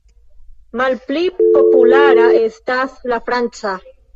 Malpli populara estas la franca.